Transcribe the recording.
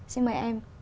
xin mời em